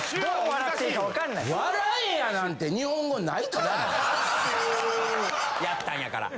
笑えやなんて日本語ないからな。